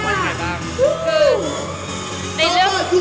เราว่าอย่างไรบ้าง